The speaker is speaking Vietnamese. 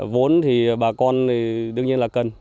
vốn thì bà con đương nhiên là cần